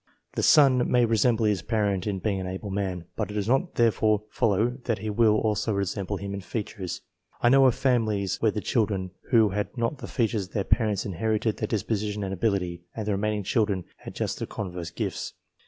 The son may resemble his parent in being an able man, but it does not therefore follow that he will also resemble him in features. I know of families where the children who had not the features of their parents inherited their disposition and ability, and the remaining children had just the con verse gifts.